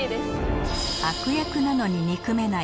悪役なのに憎めない